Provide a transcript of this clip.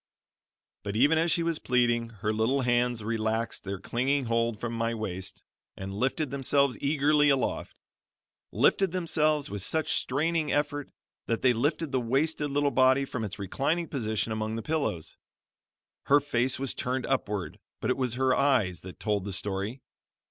But even as she was pleading, her little hands relaxed their clinging hold from my waist, and lifted themselves eagerly aloft; lifted themselves with such straining effort, that they lifted the wasted little body from its reclining position among the pillows. Her face was turned upward, but it was her eyes that told the story.